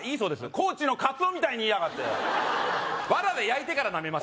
高知のカツオみたいに言いやがってワラで焼いてからなめます